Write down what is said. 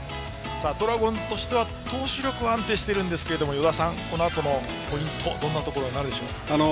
ドラゴンズとしては投手力は安定しているんですが与田さん、このあとのポイントどんなところになるでしょう。